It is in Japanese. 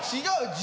違う。